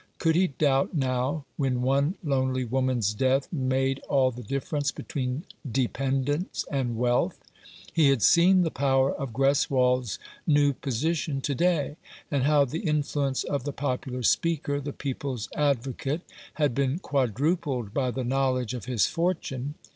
Could he doubt now, when one lonely woman's death made all the difference between dependence and wealth ? He had seen the power of Greswold's new position to day, and how the influence of the popular speaker, the People's Advo cate, had been quadrupled by the knowledge of his fortune.